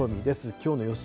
きょうの予想